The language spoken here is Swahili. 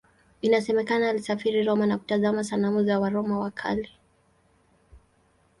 Inasemekana alisafiri Roma na kutazama sanamu za Waroma wa Kale.